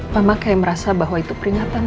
mama kayak merasa bahwa itu peringatan